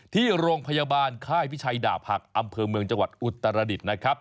ที่โรงพยาบาลค่ายพิชัยดาบหักอำเภอเมืองจังหวัดอุตรดิษฐ์นะครับ